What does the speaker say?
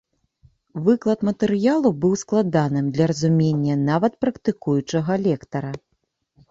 Выклад матэрыялу быў складаным для разумення нават практыкуючага лекара.